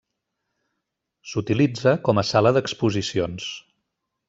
S'utilitza com a sala d'exposicions.